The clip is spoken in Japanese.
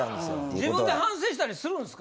自分で反省したりするんですか？